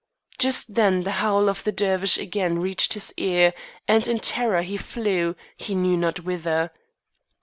Just then the howl of the Dervish again reached his ear, and in terror he flew, he knew not whither.